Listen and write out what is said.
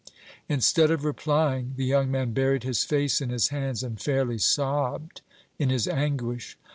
Instead of replying, the young man buried his face in his hands and fairly sobbed in his anguish.